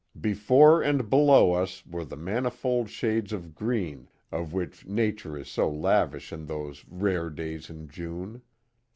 Be fore and below us were the manifold shades of green, of which nature is so lavish in those " rare days in June."